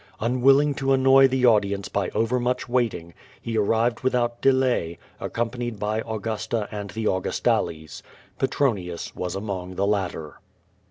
Unwilling to annoy the audience by ovenniich wailing, he arrived without delay, accompanied by Augusta and the Augustales. Petronius was among the latter.